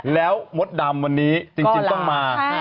แล้วมดดำวันนี้จริงต้องมา